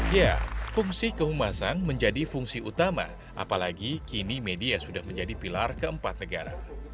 ya fungsi kehumasan menjadi fungsi utama apalagi kini media sudah menjadi pilar keempat negara